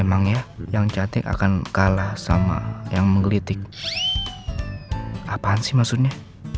emangnya yang catik akan kalah sama yang menggelitik apaan sih maksudnya